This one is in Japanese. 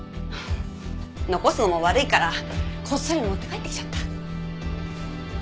残すのも悪いからこっそり持って帰ってきちゃった。